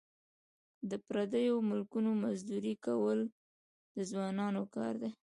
په پردیو ملکونو مزدوري کول د ځوانانو کار دی.